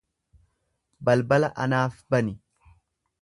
Balbala anaaf bani.